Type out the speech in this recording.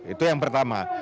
itu yang pertama